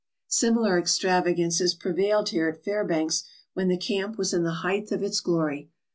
" Similar extravagances prevailed here at Fairbanks when the camp was in the height of its glory.